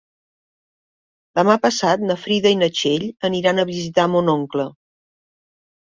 Demà passat na Frida i na Txell aniran a visitar mon oncle.